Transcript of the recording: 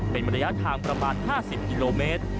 เป็นระยะทางประมาณ๕๐กิโลเมตร